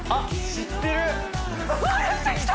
知ってた！